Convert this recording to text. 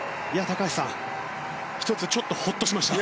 高橋さん、１つちょっとほっとしました。